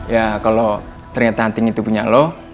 ya kalo ternyata anting itu punya lo